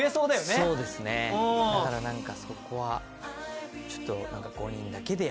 そうですねだから何かそこはちょっと。